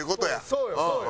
そうよそうよ。